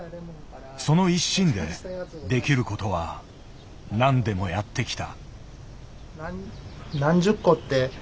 その一心でできることは何でもやってきた。